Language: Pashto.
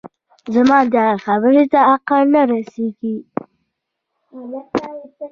زما دغه خبرې ته عقل نه رسېږي